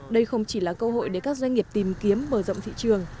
đây không chỉ là cơ hội để các doanh nghiệp tìm kiếm mở rộng thị trường